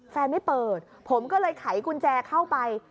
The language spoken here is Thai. ไม่เปิดผมก็เลยไขกุญแจเข้าไป